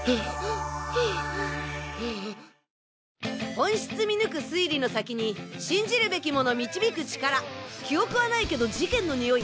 本質見抜く推理の先に信じるべきもの導く力記憶はないけど事件のニオイ